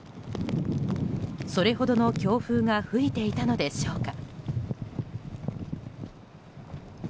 それほどの強風が吹いていたのでしょうか。